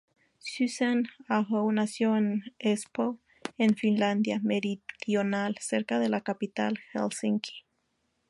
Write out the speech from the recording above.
Susan Aho nació en Espoo, en Finlandia Meridional, cerca de la capital, Helsinki.